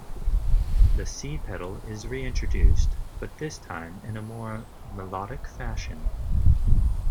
The C pedal is reintroduced, but this time in a more melodic fashion.